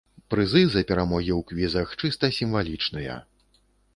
Прызы за перамогі ў квізах чыста сімвалічныя.